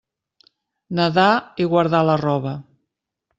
Nadar i guardar la roba.